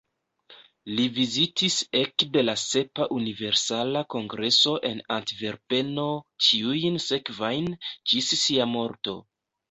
Li vizitis ekde la sepa Universala Kongreso en Antverpeno ĉiujn sekvajn, ĝis sia morto.